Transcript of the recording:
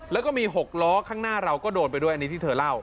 แล้วก็มี๖ล้อข้างหน้าเราก็โดนไปด้วยอันนี้ที่เธอเล่า